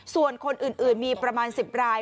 ส่วนคนอื่นมีประมาณ๑๐ราย